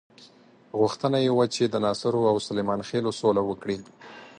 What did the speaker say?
غوښتنه یې وه چې د ناصرو او سلیمان خېلو سوله وکړي.